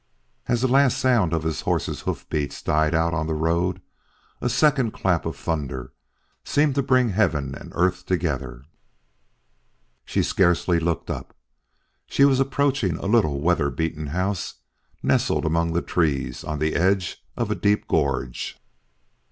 As the last sound of his horses' hoof beats died out on the road, a second clap of thunder seemed to bring heaven and earth together. She scarcely looked up. She was approaching a little weather beaten house nestled among trees on the edge of a deep gorge.